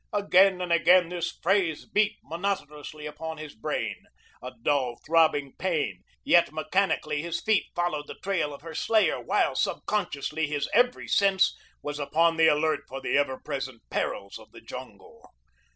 Again and again this phrase beat monotonously upon his brain a dull, throbbing pain, yet mechanically his feet followed the trail of her slayer while, subconsciously, his every sense was upon the alert for the ever present perils of the jungle.